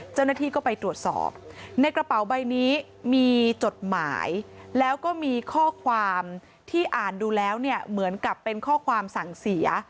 เจ้าหน้าที่ก็ไปตรวจสอบในกระเป๋าใบนี้มีจดหมายแล้วก็มีข้อความที่อ่านดูแล้วเนี่ยเหมือนกับเป็นข้อความสั่งเสีย